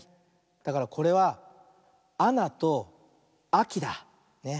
だからこれは「あな」と「あき」だ。ね。